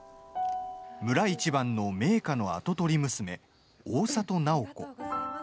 村一番の名家の跡取り娘大郷楠宝子。